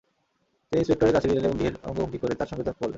তিনি ইন্সপেক্টরের কাছে গেলেন এবং ঢের অঙ্গভঙ্গি করে তাঁর সঙ্গে তর্ক করলেন।